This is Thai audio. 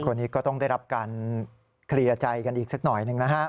คนนี้ก็ต้องได้รับการเคลียร์ใจกันอีกสักหน่อยหนึ่งนะฮะ